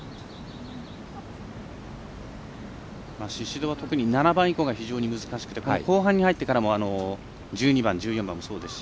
宍戸は特に７番以降が非常に難しくて後半に入ってからも１２番、１４番がそうですし。